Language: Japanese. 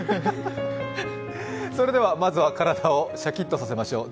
それではまずは体をシャキッとさせましょう。